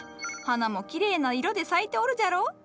花もきれいな色で咲いておるじゃろ？